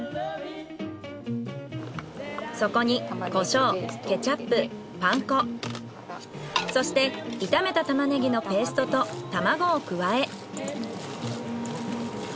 そこにコショウケチャップパン粉そして炒めた玉ネギのペーストと卵を加え。